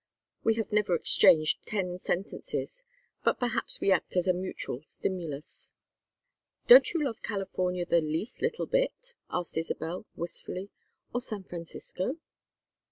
We have never exchanged ten sentences, but perhaps we act as a mutual stimulus." "Don't you love California the least little bit?" asked Isabel, wistfully. "Or San Francisco?"